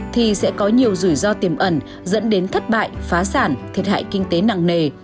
thì sẽ có nhiều rủi ro tiềm ẩn dẫn đến thất bại phá sản thiệt hại kinh tế nặng nề